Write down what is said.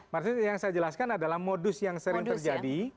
maksudnya yang saya jelaskan adalah modus yang sering terjadi